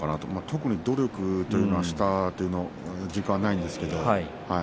特に努力というのはしたという実感はないんですけど。